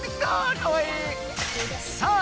かわいい！さあ！